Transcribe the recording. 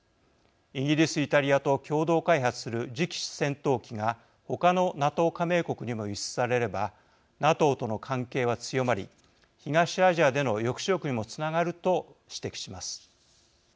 イギリス・イタリアと共同開発する次期戦闘機が他のＮＡＴＯ加盟国にも輸出されればＮＡＴＯとの関係は強まり東アジアでの抑止力にもつながると指摘します。